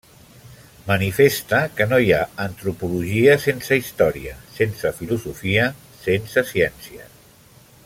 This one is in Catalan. Manifesta que no hi ha antropologia sense història, sense filosofia, sense ciència.